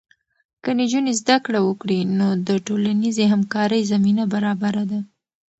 که نجونې زده کړه وکړي، نو د ټولنیزې همکارۍ زمینه برابره ده.